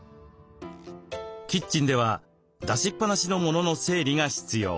キッチンでは出しっぱなしの物の整理が必要。